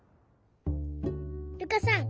るかさん